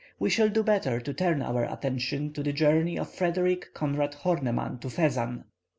We shall do better to turn our attention to the journey of Frederic Conrad Horneman to Fezzan.